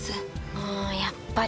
ああやっぱり。